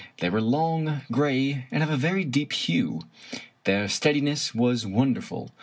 They were long, gray, and of a very deep hue. Their steadiness was wonderful.